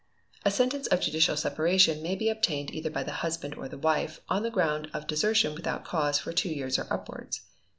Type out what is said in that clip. A sentence of judicial separation may be obtained either by the husband or the wife, on the ground of desertion without cause for two years or upwards.